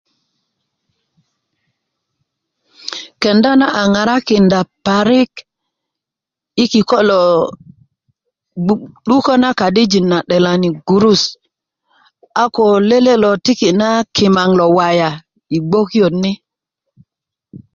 kenda na a ŋarakinda parik i kiko' lo 'dukö na kadijin na 'delani gurusu a ko lele' lo tiki na kimaŋ lo waya i gbokiyöt ni